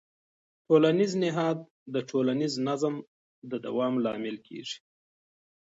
ټولنیز نهاد د ټولنیز نظم د دوام لامل کېږي.